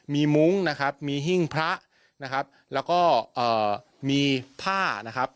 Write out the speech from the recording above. มีมุ้งนะครับมีหิ้งพระนะครับแล้วก็เอ่อมีผ้านะครับ